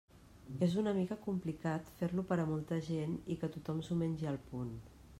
És una mica complicat fer-lo per a molta gent i que tothom s'ho mengi al punt.